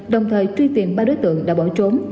đồng thời truy tìm ba đối tượng đã bỏ trốn